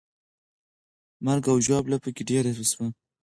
مرګ او ژوبله پکې ډېره وسوه.